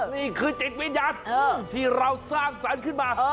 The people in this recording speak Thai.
นี่คือจิตวิญญาณที่เราสร้างสรรค์ขึ้นมา